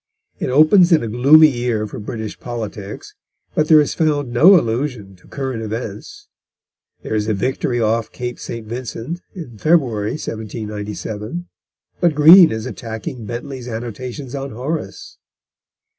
It opens in a gloomy year for British politics, but there is found no allusion to current events. There is a victory off Cape St. Vincent in February, 1797, but Green is attacking Bentley's annotations on Horace.